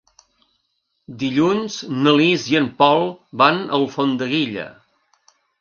Dilluns na Lis i en Pol van a Alfondeguilla.